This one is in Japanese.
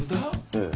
ええ。